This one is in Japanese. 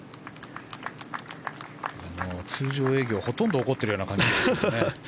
でも通常営業ほとんど怒っているような感じですけどね。